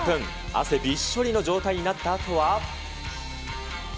汗びっしょりの状態になったあとは。